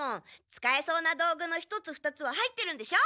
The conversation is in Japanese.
使えそうな道具の一つ二つは入ってるんでしょ？